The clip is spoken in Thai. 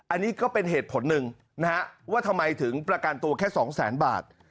อันนี้ก็เป็นเหตุผลหนึ่งนะฮะว่าทำไมถึงประกันตัวแค่สองแสนบาท